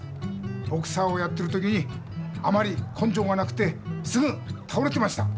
ボクサーをやってる時にあまりこんじょうがなくてすぐたおれてました。